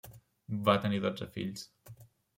Va tenir dotze fills.